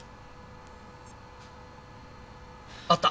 あった！